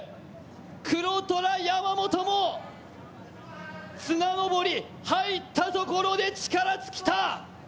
黒虎・山本も綱登り入ったところで力尽きた。